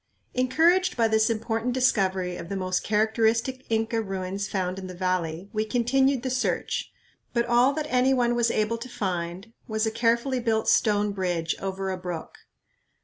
Encouraged by this important discovery of the most characteristic Inca ruins found in the valley, we continued the search, but all that any one was able to find was a carefully built stone bridge over a brook.